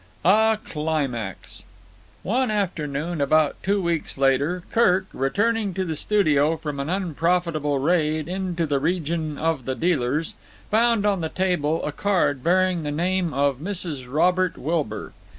A Climax One afternoon, about two weeks later, Kirk, returning to the studio from an unprofitable raid into the region of the dealers, found on the table a card bearing the name of Mrs. Robert Wilbur.